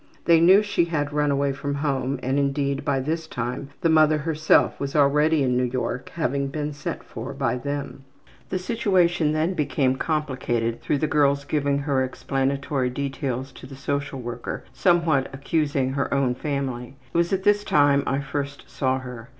They knew she had run away from home and, indeed, by this time the mother herself was already in New York, having been sent for by them. The situation then became more complicated through the girl's giving more explanatory details to the social worker, somewhat accusing her own family. It was at this time I first saw her.